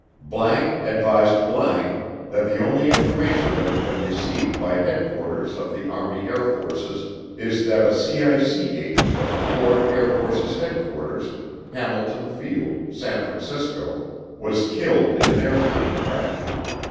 ____ advised ____ that the only information that has been received by Headquarters of the Army Air Forces is that a CIC Agent of the 4th Air Forces Headquarters, Hamilton Field, San Francisco, was killed in an airplane crash.